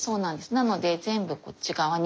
なので全部こっち側に。